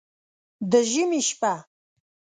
د ژمي شپه